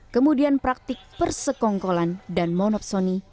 kemudian praktik persekongkolan dan monoksoni